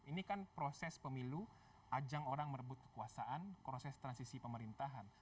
ini kan proses pemilu ajang orang merebut kekuasaan proses transisi pemerintahan